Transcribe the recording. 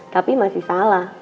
tapi masih salah